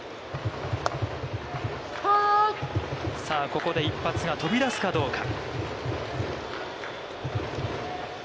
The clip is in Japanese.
ここで一発が飛び出すかどうか。